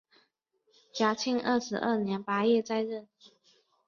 嘉庆二十二年八月再任。